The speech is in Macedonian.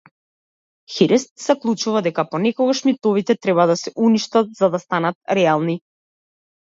Хирст заклучува дека понекогаш митовите треба да се уништат за да станат реални.